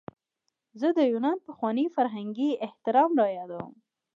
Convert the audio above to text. زه د یونان پخوانی فرهنګي احترام رایادوم.